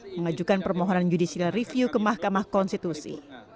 mengajukan permohonan judicial review ke mahkamah konstitusi